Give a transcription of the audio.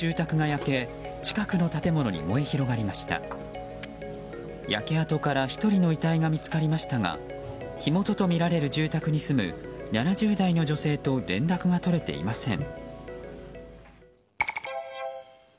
焼け跡から１人の遺体が見つかりましたが火元とみられる住宅に住む７０代の女性と連絡が取れていません。